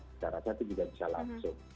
secara satu juga bisa langsung